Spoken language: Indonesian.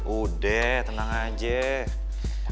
udah tenang aja